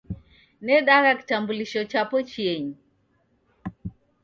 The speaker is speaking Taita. Nedagha kitambulisho chapo chienyi